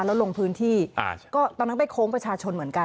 แล้วลงพื้นที่ก็ตอนนั้นไปโค้งประชาชนเหมือนกัน